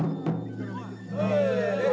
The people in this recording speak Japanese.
せの！